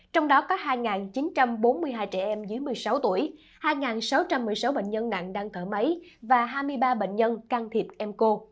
trong đó có hai chín trăm bốn mươi hai trẻ em dưới một mươi sáu tuổi hai sáu trăm một mươi sáu bệnh nhân nặng đang thở máy và hai mươi ba bệnh nhân can thiệp mco